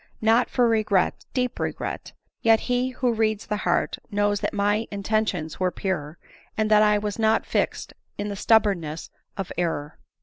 not for regret, deep regret ; yet he who reads the heart knows that my intentions were pure, and that I was not fixed in the stubbornness of error."